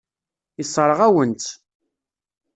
Yessṛeɣ-awen-tt.